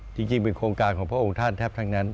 จริงเป็นโครงการของพระองค์ท่านแทบทั้งนั้น